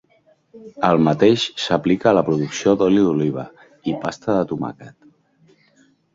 El mateix s'aplica a la producció d'oli d'oliva i pasta de tomàquet.